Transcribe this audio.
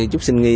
chút xin nghi